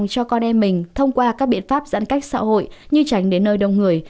cho con em mình thông qua các biện pháp giãn cách xã hội như tránh đến nơi đông người